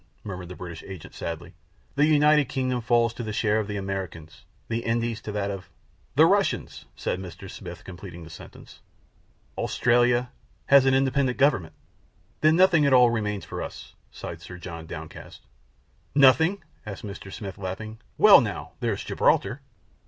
murmured the British agent sadly. "The United Kingdom falls to the share of the Americans; the Indies to that of " "The Russians," said Mr. Smith, completing the sentence. "Australia " "Has an independent government." "Then nothing at all remains for us!" sighed Sir John, downcast. "Nothing?" asked Mr. Smith, laughing. "Well, now, there's Gibraltar!"